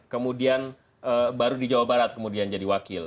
kemudian baru di jawa barat kemudian jadi wakil